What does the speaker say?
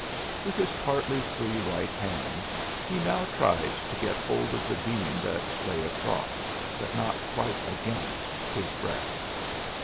With his partly free right hand he now tried to get hold of the beam that lay across, but not quite against, his breast.